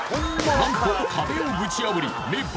何と壁をぶち破り